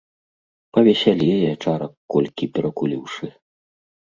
Павесялее, чарак колькі перакуліўшы.